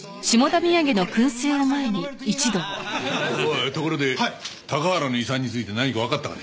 おいところで高原の遺産について何かわかったかね？